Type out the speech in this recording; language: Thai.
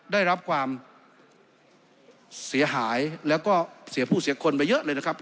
ได้รับความเสียหายแล้วก็เสียผู้เสียคนไปเยอะเลยนะครับ